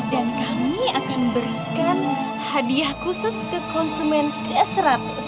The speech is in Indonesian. dan kami akan berikan hadiah khusus ke konsumen ke seratus